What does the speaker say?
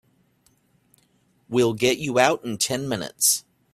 We'll get you out in ten minutes.